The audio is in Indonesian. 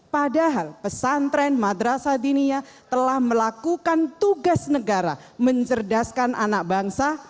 padahal pesantren madrasah dinia telah melakukan tugas negara mencerdaskan anak bangsa